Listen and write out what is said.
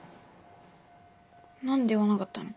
何で言わなかったの？